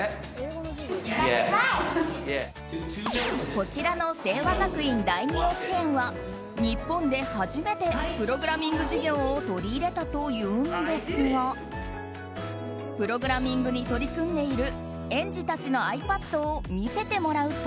こちらの聖和学院第二幼稚園は日本で初めてプログラミング授業を取り入れたというんですがプログラミングに取り組んでいる園児たちのｉＰａｄを見せてもらうと。